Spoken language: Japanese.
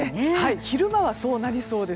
昼間はそうなりそうです。